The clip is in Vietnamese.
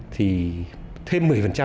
thì thêm một mươi nữa tức là hai mươi